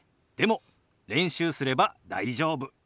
でも練習すれば大丈夫。